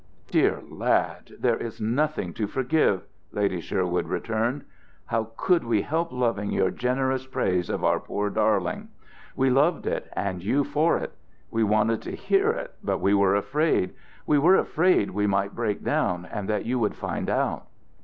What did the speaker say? "Dear lad, there is nothing to forgive," Lady Sherwood returned. "How could we help loving your generous praise of our poor darling? We loved it, and you for it; we wanted to hear it, but we were afraid. We were afraid we might break down, and that you would find out."